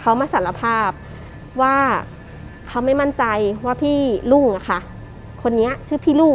เขามาสารภาพว่าเขาไม่มั่นใจว่าพี่รุ่งคนนี้ชื่อพี่รุ่ง